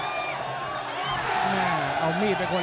แรงขึ้นมาแรงขึ้นมาลูกมิมิตรลูกมิมิตร